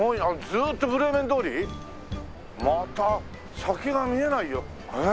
ずーっとブレーメン通り？また先が見えないよ。